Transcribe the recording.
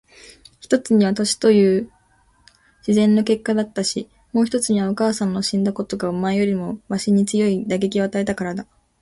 一つには年という自然の結果だし、もう一つにはお母さんの死んだことがお前よりもわしに強い打撃を与えたからだ。